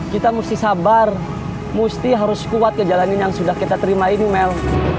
kita mesti sabar mesti harus kuat ke jalanin yang sudah kita terima ini mel